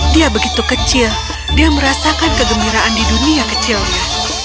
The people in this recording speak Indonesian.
dia begitu kecil dia merasakan kegembiraan di dunia kecilnya